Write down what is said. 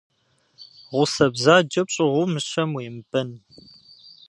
Гъусэ бзаджэ пщӏыгъуу мыщэм уемыбэн.